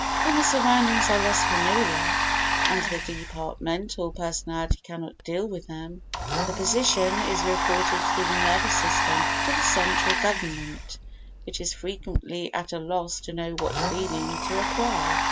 When the surroundings are less familiar and the departmental personality cannot deal with them, the position is reported through the nervous system to the central government which is frequently at a loss to know what feeling to apply.